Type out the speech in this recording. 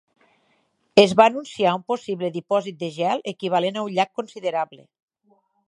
Es va anunciar un possible dipòsit de gel equivalent a un llac considerable.